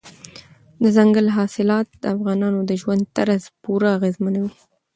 دځنګل حاصلات د افغانانو د ژوند طرز پوره اغېزمنوي.